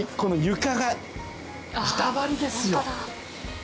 床が板張りですよ。